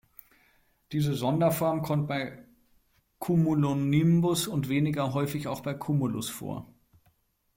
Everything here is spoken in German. Diese Sonderform kommt bei Cumulonimbus und weniger häufig auch bei Cumulus vor.